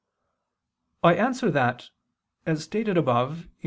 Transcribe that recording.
I answer that, As stated above (Q.